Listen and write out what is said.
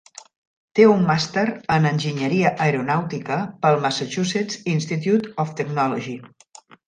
Té un màster en Enginyeria Aeronàutica pel Massachusetts Institute of Technology.